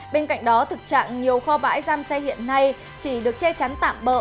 bên cạnh đó thực trạng nhiều kho bãi giam xe hiện nay chỉ được che chắn tạm bỡ